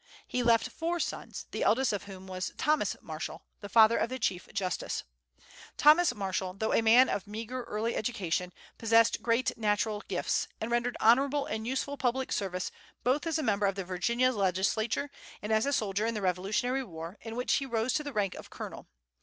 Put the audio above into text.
He left four sons, the eldest of whom was Thomas Marshall, the father of the Chief Justice. Thomas Marshall, though a man of meagre early education, possessed great natural gifts, and rendered honorable and useful public service both as a member of the Virginia Legislature, and as a soldier in the Revolutionary War, in which he rose to the rank of colonel.